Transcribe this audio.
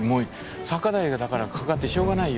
酒代がだからかかってしょうがないよ。